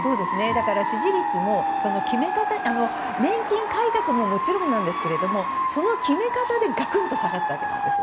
だから支持率も年金改革ももちろんですけどその決め方でガクンと下がったわけなんです。